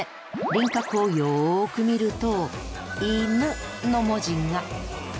輪郭をよく見ると「い・ぬ」の文字が！